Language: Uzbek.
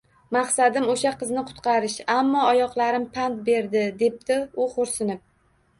Maqsadim, o‘sha qizni qutqarish, ammo oyoqlarim pand berdi, – debdi u xo‘rsinib